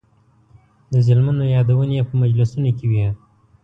د ظلمونو یادونې یې په مجلسونو کې وې.